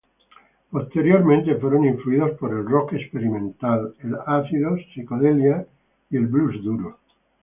Posteriormente fueron influidos por el rock experimental, ácido, psicodelia, y blues duro.